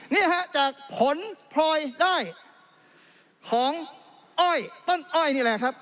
นี่นะครับจะผลพลอยได้ของต้นอ้อยนี่แหละครับ